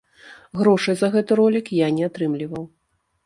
Грошай за гэты ролік я не атрымліваў.